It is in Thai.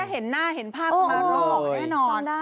นี่ก็เห็นหน้าเห็นภาพมาร่วมออกแน่นอน